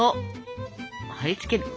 貼り付ける。